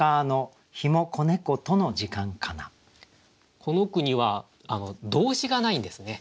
この句には動詞がないんですね。